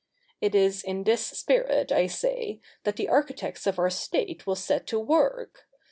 It is in this spirit, I say, that the architects of our state will set to work.